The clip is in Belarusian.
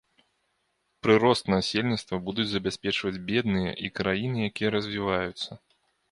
Прырост насельніцтва будуць забяспечваць бедныя і краіны, якія развіваюцца.